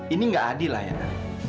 ini gak adil ayah